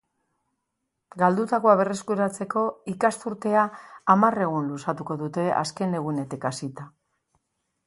Galdutakoa berreskuratzeko, ikasturtea hamar egun luzatuko dute azken egunetik hasita.